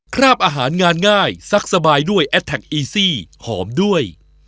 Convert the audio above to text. คราบอาหารงานง่ายซักสบายด้วยแอดแท็กอีซี่หอมด้วย